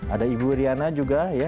ada ibu iryana juga ya